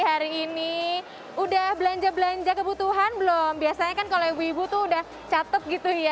hari ini udah belanja belanja kebutuhan belum biasanya kan kalau ibu ibu tuh udah catet gitu ya